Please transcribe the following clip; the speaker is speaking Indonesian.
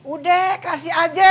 udah kasih aja